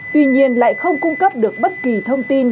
tuy nhiên lại không cung cấp được bất kỳ thông tin